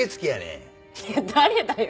いや誰だよ！